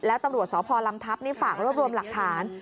แล้วตำรวจสพลำทัพนี่ฝากรวบรวมหลักฐาน